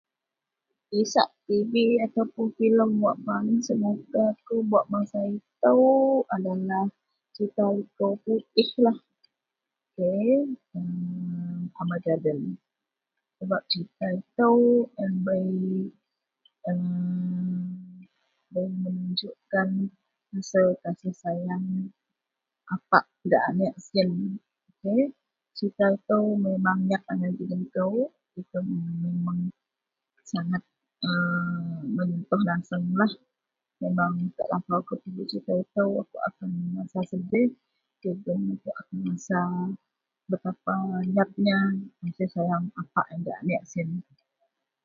Isak tv atau filem wak paling senuka kou buat masa itou adalah cerita likou putihlah. Ok... Armageddon. Sebap cerita itou en bei [a] menunjukkan pasel kasih sayang apak gak aneak siyen. Baih yen cerita itou memang nyat angai ji den kou jegem sangat menyentuh nasenglah. Akou pegui cerita itou akou akan merasa sedeh jegem akou merasa betapa nyatnya kasih sayang apak siyen gak aneak siyen.